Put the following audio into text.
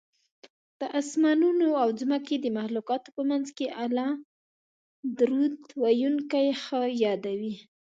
د اسمانونو او ځمکې د مخلوقاتو په منځ کې الله درود ویونکی ښه یادوي